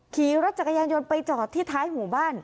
ขี่รถจักรยานยนต์ไปจอดที่ท้ายหมู่บ้าน